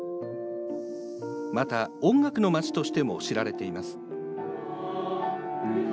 また、音楽の街としても知られています。